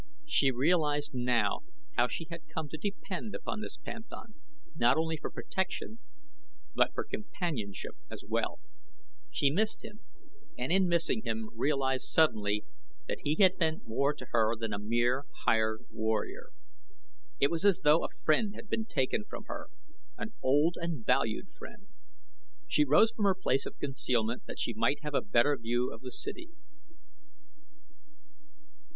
She realized now how she had come to depend upon this panthan not only for protection but for companionship as well. She missed him, and in missing him realized suddenly that he had meant more to her than a mere hired warrior. It was as though a friend had been taken from her an old and valued friend. She rose from her place of concealment that she might have a better view of the city.